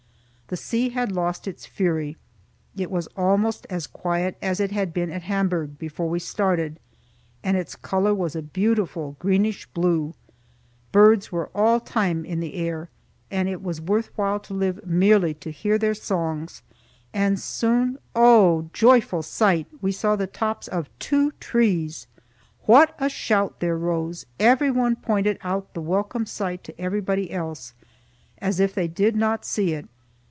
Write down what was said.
The sea had lost its fury; it was almost as quiet as it had been at Hamburg before we started, and its color was a beautiful greenish blue. Birds were all the time in the air, and it was worth while to live merely to hear their songs. And soon, oh joyful sight! we saw the tops of two trees! What a shout there rose! Everyone pointed out the welcome sight to everybody else, as if they did not see it.